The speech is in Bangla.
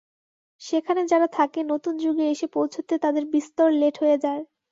সেখানে যারা থাকে নতুন যুগে এসে পৌঁছোতে তাদের বিস্তর লেট হয়ে যায়।